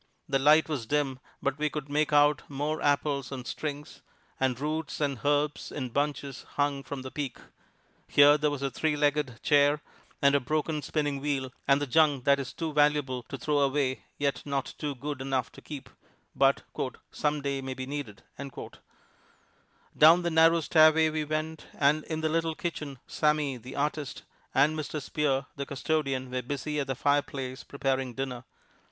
The light was dim, but we could make out more apples on strings, and roots and herbs in bunches hung from the peak. Here was a three legged chair and a broken spinning wheel, and the junk that is too valuable to throw away, yet not good enough to keep, but "some day may be needed." Down the narrow stairway we went, and in the little kitchen, Sammy, the artist, and Mr. Spear, the custodian, were busy at the fireplace preparing dinner.